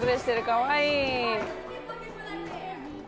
かわいい。